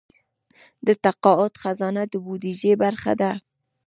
د تقاعد خزانه د بودیجې برخه ده